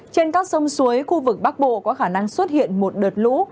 trên các sông suối khu vực bắc bộ có khả năng xuất hiện một đợt lũ